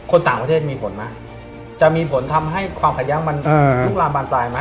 คนต่างประเทศมีผลไหมจะมีผลทำให้ความขัดแย้งมันลุกลามบานปลายไหม